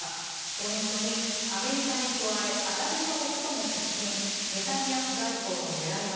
ポイント２、アメリカに加えアラブ諸国とも接近ネタニヤフ外交の狙いは？